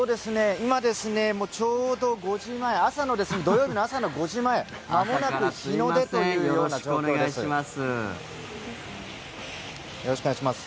今ですね、ちょうど５時前土曜日の朝の５時前まもなく日の出というような状況です。